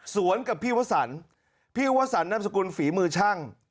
สวนกับพี่วศรพี่วศรนามสกุลฝีมือชั่ง